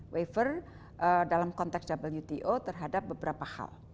waiver dalam konteks wto terhadap beberapa hal